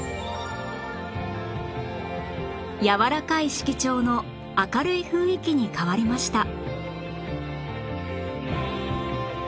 やわらかい色調の明るい雰囲気に変わりました